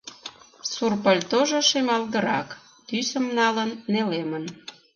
Сур пальтожо шемалгырак тӱсым налын, нелемын.